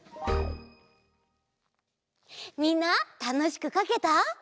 みんなたのしくかけた？